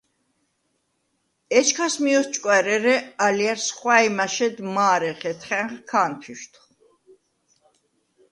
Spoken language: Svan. ეჩქას მი ოთჭკუ̂ა̈რ, ერე “ალჲა̈რს ხუ̂ა̈ჲ მაშედ მა̄რე ხეთხა̄̈ნხ, ქა̄ნფუ̂იშდხ”.